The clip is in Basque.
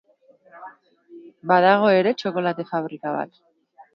Badago ere txokolate fabrika bat.